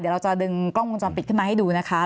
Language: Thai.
เดี๋ยวเราจะดึงกล้องวงจรปิดขึ้นมาให้ดูนะคะ